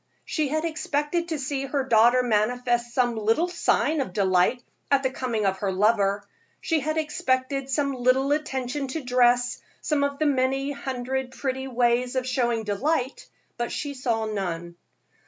She had expected to see her daughter manifest some little sign of delight at the coming of her lover; she had expected some little attention to dress, some of the many hundred pretty ways of showing delight, but she saw none.